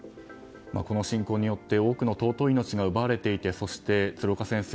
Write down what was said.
この侵攻によって多くの尊い命が奪われていてそして鶴岡先生